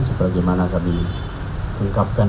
seperti bagaimana kami mengungkapkan